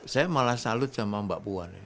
saya malah salut sama mbak puan